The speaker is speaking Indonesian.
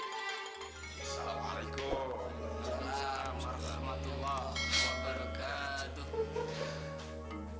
assalamualaikum warahmatullah wabarakatuh